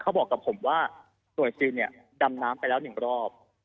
เขาบอกกับผมว่าหน่วยซิลดำน้ำไปแล้ว๑รอบ